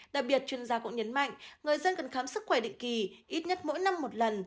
đặc biệt chuyên gia cũng nhấn mạnh người dân cần khám sức khỏe định kỳ ít nhất mỗi năm một lần